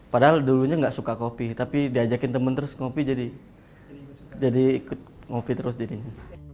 padahal dulunya nggak suka kopi tapi diajakin temen terus ngopi jadi ikut ngopi terus jadinya